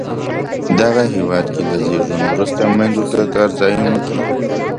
دغه هېواد کې له زیږون وروسته میندو ته کار ځایونو کې